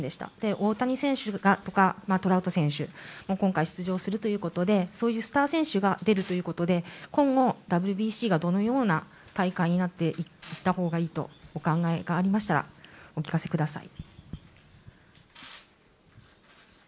大谷選手とかトラウト選手も今回出場するということで、そういうスター選手が出るということで今後、ＷＢＣがどのような大会になっていったほうがいいとお考えがありましたら、お聞かせください。